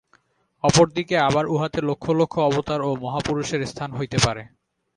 অপর দিকে আবার উহাতে লক্ষ লক্ষ অবতার ও মহাপুরুষের স্থান হইতে পারে।